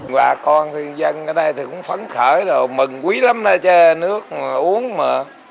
mà con dân ở đây cũng phấn khởi rồi mừng quý lắm ra chơi nước uống mà